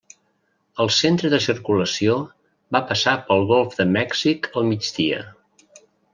El centre de circulació va passar pel Golf de Mèxic al migdia.